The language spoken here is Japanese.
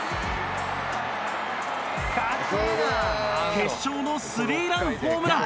決勝のスリーランホームラン